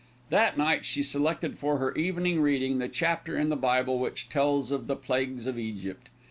That night, she selected for her evening reading the chapter in the Bible which tells of the plagues of Egypt.